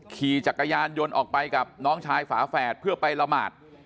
ขี่จักรยานยนต์ออกไปกับน้องชายฝาแฝดเพื่อไปละหมาด